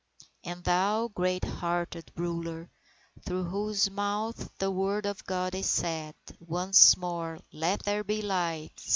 _ _And thou, great hearted Ruler, through whose mouth The word of God is said Once more: "Let there be light!"